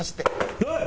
おい！